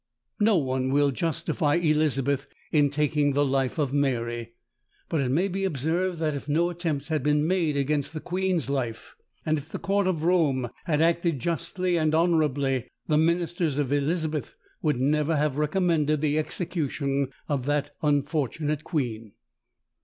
No one will justify Elizabeth in taking the life of Mary: but it may be observed that if no attempts had been made against the queen's life, and if the court of Rome had acted justly and honourably, the ministers of Elizabeth would never have recommended the execution of that unfortunate queen.